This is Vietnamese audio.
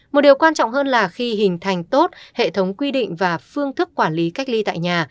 một điều quan trọng hơn là khi hình thành tốt hệ thống quy định và phương thức quản lý cách ly tại nhà